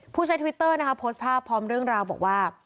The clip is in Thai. ผู้ใส่ทวิตเตอร์โพสต์ภาพพร้อมเรื่องราวบอกว่า